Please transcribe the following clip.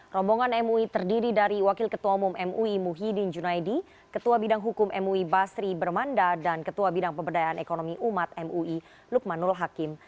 rombongan mui terdiri dari wakil ketua umum mui muhyiddin junaidi ketua bidang hukum mui basri bermanda dan ketua bidang pemberdayaan ekonomi umat mui lukmanul hakim